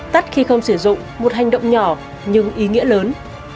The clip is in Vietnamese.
tắt khi không sử dụng một hành động nhỏ nhưng ý nghĩa lớn